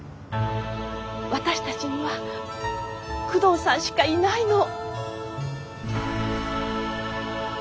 私たちには久遠さんしかいないの。